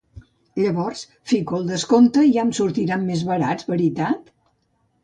Llavors, fico el descompte i ja em sortiran més barats, veritat?